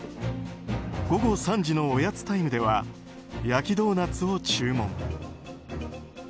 午後３時のおやつタイムでは焼きドーナツを注文。